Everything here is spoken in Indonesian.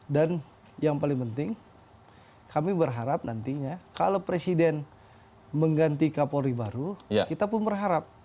dan yang paling penting kami berharap nantinya kalau presiden mengganti kapolri baru kita pun berharap